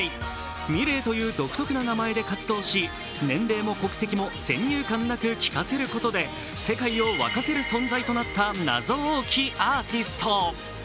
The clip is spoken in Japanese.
ｍｉｌｅｔという独特な名前で活動し年齢も国籍も先入観なく聴かせることで、世界を沸かせる存在となった謎多きアーティスト。